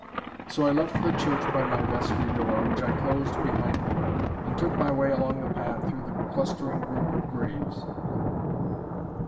So I left the church by my vestry door, which I closed behind me, and took my way along the path through the clustering group of graves.